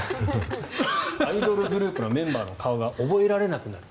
アイドルグループのメンバーの顔が覚えられなくなる。